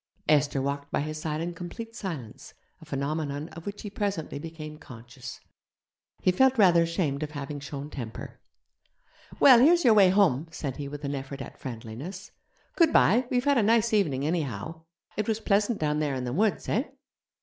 Esther walked by his side in complete silence, a phenomenon of which he presently became conscious. He felt rather ashamed of having shown temper. 'Well, here's your way home,' said he with an effort at friendliness. 'Goodbye; we've had a nice evening anyhow. It was pleasant down there in the woods, eh?'